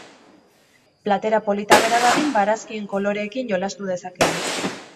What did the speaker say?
Platera polita gera dadin barazkien koloreekin jolastu dezakegu.